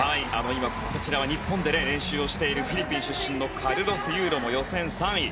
今、こちらは日本で練習をしているフィリピン出身のカルロス・ユーロも予選３位。